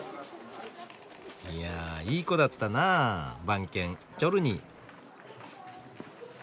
いやあいい子だったなあ番犬・チョルニー。